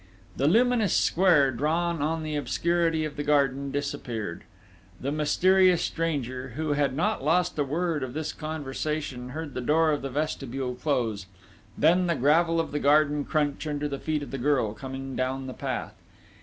The luminous square, drawn on the obscurity of the garden, disappeared. The mysterious stranger, who had not lost a word of this conversation, heard the door of the vestibule close, then the gravel of the garden crunch under the feet of the girl coming down the path.